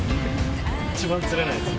一番釣れないです。